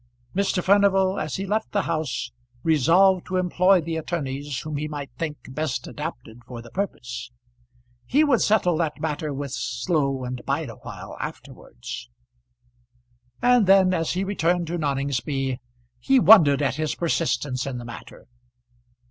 Mr. Furnival, as he left the house, resolved to employ the attorneys whom he might think best adapted for the purpose. He would settle that matter with Slow and Bideawhile afterwards. And then, as he returned to Noningsby, he wondered at his persistence in the matter.